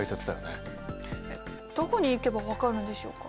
どこに行けば分かるのでしょうか？